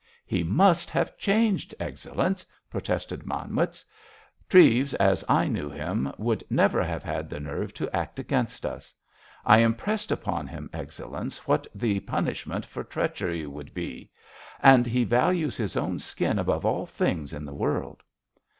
"He must have changed, Excellenz!" protested Manwitz. "Treves, as I knew him, would never have had the nerve to act against us. I impressed upon him, Excellenz, what the punishment for treachery would be, and he values his own skin above all things in the world."